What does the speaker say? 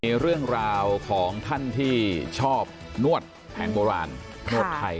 มีเรื่องราวของท่านที่ชอบนวดแผนโบราณนวดไทย